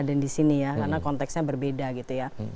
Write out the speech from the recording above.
dan di sini ya karena konteksnya berbeda gitu ya